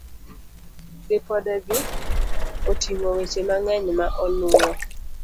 Ripodegi oting'o weche mang'eny ma onuwo